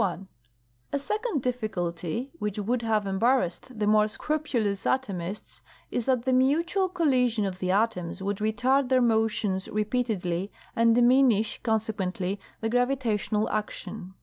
G 1h A second difficulty which would have embarrassed the more scrupu lous atomists, is that the mutual collision of the atoms would retard their motions repeatedly, and diminish, consequently, the gravitational action.